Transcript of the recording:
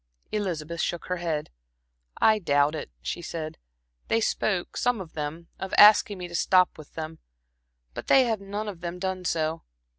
Elizabeth shook her head. "I doubt it," she said. "They spoke some of them of asking me to stop with them, but they have none of them done so.